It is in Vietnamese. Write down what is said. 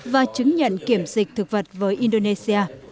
và chứng nhận kiểm dịch thực vật với indonesia